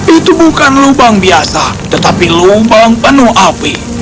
itu bukan lubang biasa tetapi lubang penuh api